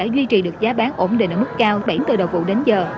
vải thiều đã duy trì được giá bán ổn định ở mức cao bảy tờ đầu vụ đến giờ